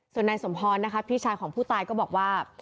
ส่วนในสมธรณ์นะครับพี่ชายของผู้ตายก็บอกว่า